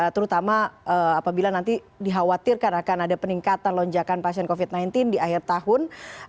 terutama apabila nanti dikhawatirkan akan ada peningkatan lonjakan pasien covid sembilan belas di akhir tahun